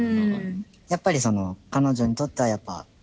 やっぱり彼女にとってはやっぱ。